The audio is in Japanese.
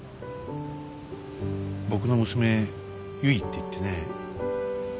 僕の娘ゆいっていってね。